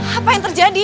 apa yang terjadi